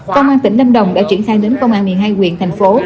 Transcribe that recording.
công an tỉnh đâm đồng đã triển khai đến công an một mươi hai quyền thành phố